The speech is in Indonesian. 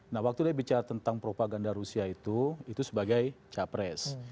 nah waktu dia bicara tentang propaganda rusia itu itu sebagai capres